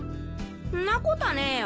んなことねぇよ。